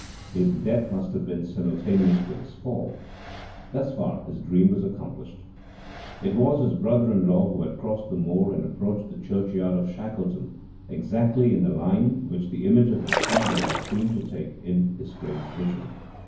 His death must have been simultaneous with his fall. Thus far his dream was accomplished. It was his brother in law who had crossed the moor and approached the churchyard of Shackleton, exactly in the line which the image of his father had seemed to take in his strange vision.